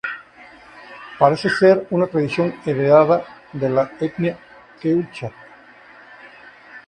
Parece ser una tradición heredada de la etnia quechua.